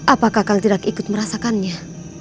apakah kalian tidak ikut merasakannya